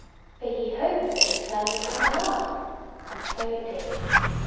For he hoped that his turn would come at last; and so it did.